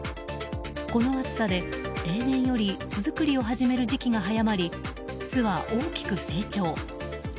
この暑さで、例年より巣作りを始める時期が早まり巣は大きく成長。